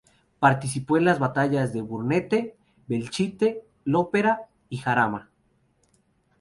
Participó en las batallas de Brunete, Belchite, Lopera y Jarama.